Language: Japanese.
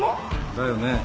だよね。